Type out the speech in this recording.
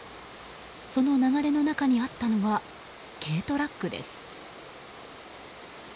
その流れの中にあったのは軽トラックです。